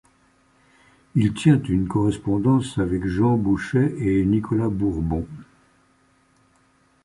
Il tient une correspondance avec Jean Bouchet et Nicolas Bourbon.